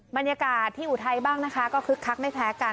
บรรยากาศที่อุทัยบ้างนะคะก็คึกคักไม่แพ้กัน